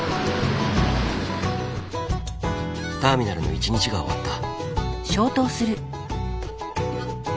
ターミナルの一日が終わった。